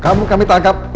maksudnya apa sih pak